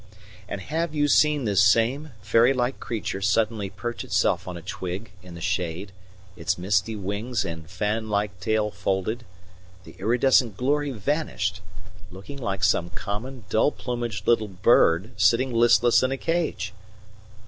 And have you seen this same fairy like creature suddenly perch itself on a twig, in the shade, its misty wings and fan like tail folded, the iridescent glory vanished, looking like some common dull plumaged little bird sitting listless in a cage?